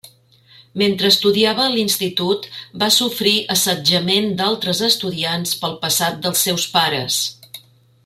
Mentre estudiava a l'institut va sofrir assetjament d'altres estudiants pel passat dels seus pares.